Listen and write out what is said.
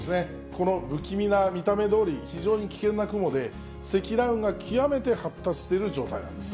この不気味な見た目どおり、非常に危険な雲で、積乱雲が極めて発達している状態なんです。